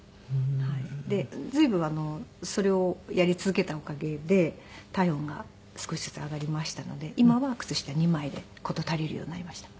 で随分それをやり続けたおかげで体温が少しずつ上がりましたので今は靴下２枚で事足りるようになりました。